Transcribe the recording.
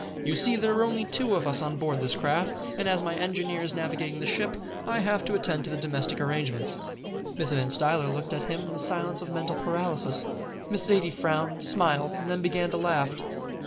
"You see there are only two of us on board this craft, and as my engineer is navigating the ship, I have to attend to the domestic arrangements." Mrs. Van Stuyler looked at him in the silence of mental paralysis. Miss Zaidie frowned, smiled, and then began to laugh.